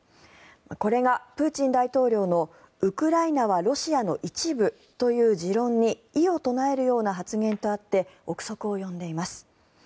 これがプーチン大統領のウクライナはロシアの一部という持論に異を唱えるような発言とあって臆測を呼んでいます。